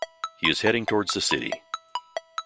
He is heading towards the city.